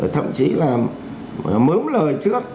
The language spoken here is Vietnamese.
thậm chí là mớm lời trước